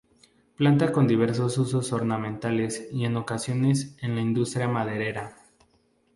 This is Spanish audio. Planta con diversos usos ornamentales y en ocasiones en la industria maderera.